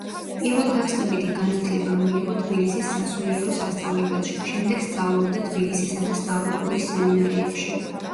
პირველდაწყებითი განათლება მიიღო თბილისის სასულიერო სასწავლებელში, შემდეგ სწავლობდა თბილისისა და სტავროპოლის სემინარიებში.